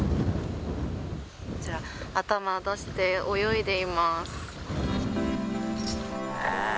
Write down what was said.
頭出して泳いでいます。